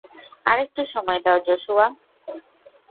আরেকটু সময় দাও, জশুয়া!